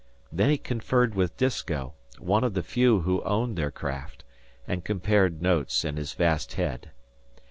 Then he conferred with Disko, one of the few who owned their craft, and compared notes in his vast head.